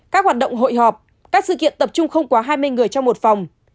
các hoạt động hội họp các sự kiện tập trung không quá hai mươi người trong một phòng